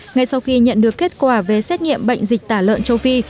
ngay sau khi nhận được kết quả về xét nghiệm bệnh dịch tả lợn châu phi